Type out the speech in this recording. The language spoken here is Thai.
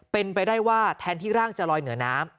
เป็นไปได้ว่าแทนที่ร่างจะลอยเหนือน้ำ